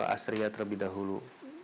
asriah terlebih dahulu